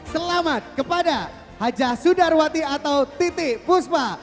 selamat kepada hajah sudarwati atau titi puspa